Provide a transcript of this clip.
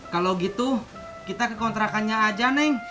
kalau gitu kita ke kontrakannya aja neng